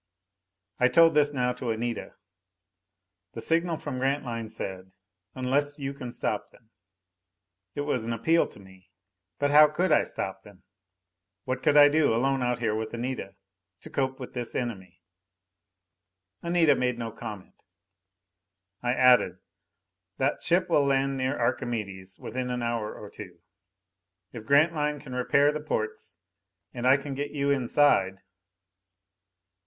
I told this now to Anita. "The signal from Grantline said, 'Unless you can stop them.'" It was an appeal to me. But how could I stop them? What could I do, alone out here with Anita, to cope with this enemy? Anita made no comment. I added, "That ship will land near Archimedes, within an hour or two. If Grantline can repair the ports, and I can get you inside...."